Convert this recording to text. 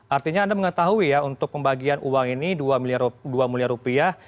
artinya anda mengetahui ya untuk pembagian uang ini dua miliar rupiah